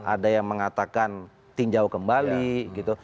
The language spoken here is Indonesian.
ada yang mengatakan ting jauh kembali gitu